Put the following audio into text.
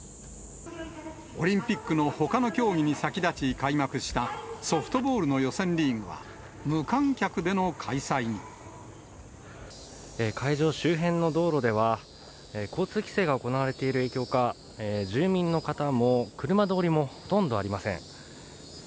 オリンピックのほかの競技に先立ち開幕したソフトボールの予選リ会場周辺の道路では、交通規制が行われている影響か、住民の方も車通りもほとんどありません。